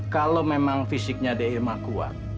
kalau memang fisiknya de irma kuat